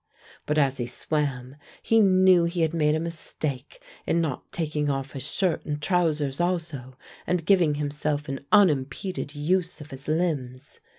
But as he swam he knew he had made a mistake in not taking off his shirt and trousers also and giving himself an unimpeded use of his limbs.